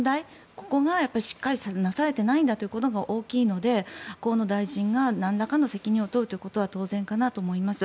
ここがしっかりなされていないんだということが大きいので、河野大臣がなんらかの責任を問うということは当然かなと思います。